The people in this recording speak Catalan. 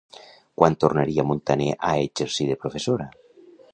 Quan tornaria Montaner a exercir de professora?